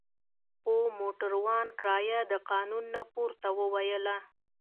خو موټروان کرایه د قانون نه پورته وویله.